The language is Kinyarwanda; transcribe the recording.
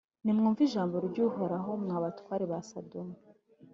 Nimwumve ijambo ry’Uhoraho, mwe batware ba Sodoma,